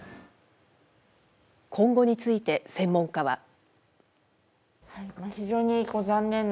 今後について、専門家は。